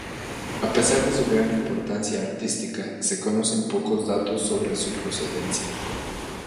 A pesar de su gran importancia artística, se conocen pocos datos sobre su procedencia.